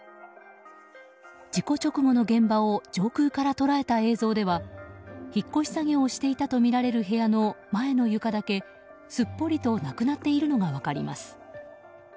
事故直後の現場を上空から捉えた映像では引っ越し作業をしていたとみられる部屋の前の床だけすっぽりとなくなっているのが分かります。